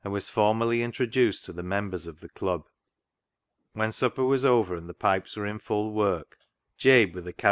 is lormally intioduceil to the UKinbeis ot the I'lub. When supper was over .uul the pipes were in lull work, Jalu* with a ch.n.